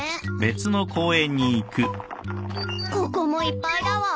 ここもいっぱいだわ。